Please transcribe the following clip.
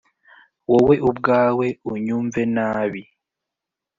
wowe ubwawe unyumve nabi